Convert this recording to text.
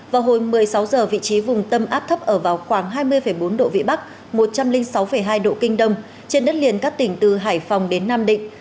vào hồi một mươi sáu h vị trí vùng tâm áp thấp ở vào khoảng hai mươi bốn độ vĩ bắc một trăm linh sáu hai độ kinh đông trên đất liền các tỉnh từ hải phòng đến nam định